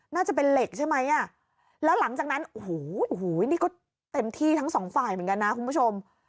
น่าจะเป็นเหล็กใช่ไหมอ่ะแล้วหลังจากนั้นโอ้โหนี่ก็เต็มที่ทั้งสองฝ่ายเหมือนกันนะคุณผู้ชม